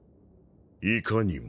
いかにも。